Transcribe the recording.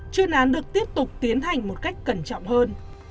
chuyên án được tiếp tục tiến hành một cách cẩn trọng hơn